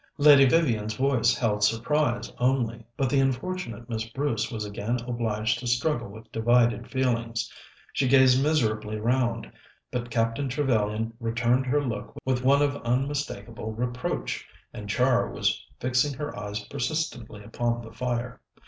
Lady Vivian's voice held surprise only, but the unfortunate Miss Bruce was again obliged to struggle with divided feelings. She gazed miserably round, but Captain Trevellyan returned her look with one of unmistakable reproach, and Char was fixing her eyes persistently upon the fire.